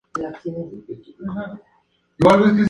Supo dirigir bien los asunto espirituales de esa sociedad.